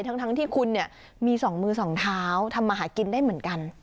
ทั้งที่คุณเนี่ยมี๒มือสองเท้าทำมาหากินได้เหมือนกัน